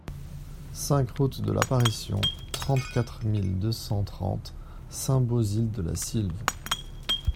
cinq route de l'Apparition, trente-quatre mille deux cent trente Saint-Bauzille-de-la-Sylve